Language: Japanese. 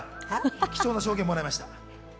貴重な証言をもらいました。